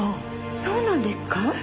そうなんですか？